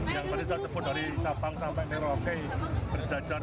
yang tadi saya sebut dari sabang sampai merauke berjajar